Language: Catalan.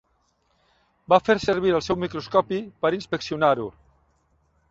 Va fer servir el seu microscopi per inspeccionar-ho.